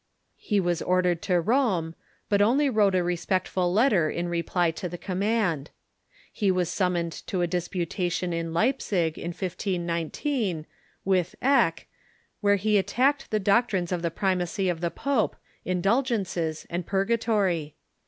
He was ordered to Rome, but only wrote; a respectful letter in reply to the command. He was summoned to a dis putation in Leipzig, in 1519, witb Eck, where he attacked the doctrines of the primacy of the pope, indulgences, and purga tory.